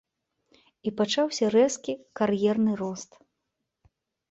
І пачаўся рэзкі кар'ерны рост.